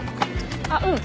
あっうん。